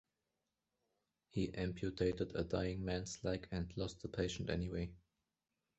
He amputated a dying man's leg and lost the patient anyway.